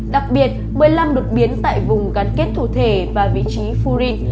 đặc biệt một mươi năm đột biến tại vùng gắn kết thủ thể và vị trí furi